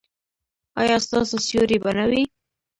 ایا ستاسو سیوری به نه وي؟